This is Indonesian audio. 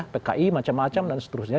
pki macam macam dan seterusnya